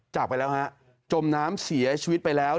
จากไปแล้วฮะจมน้ำเสียชีวิตไปแล้ว